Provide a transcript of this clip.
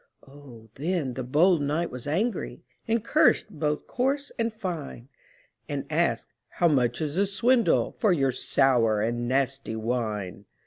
Oh, then the bold knight was angry, And cursed both coarse and fine; And asked, "How much is the swindle For your sour and nasty wine?"